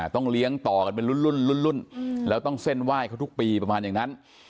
ต้องเลี้ยงต่อกันเป็นรุ่นแล้วต้องเส้นไหว้เขาทุกปีประมาณอย่างนั้น